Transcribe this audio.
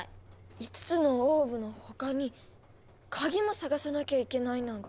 ５つのオーブの他に鍵もさがさなきゃいけないなんて。